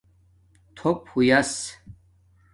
تھݸپ ہویاس